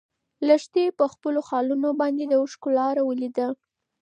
لښتې په خپلو خالونو باندې د اوښکو لاره ولیده.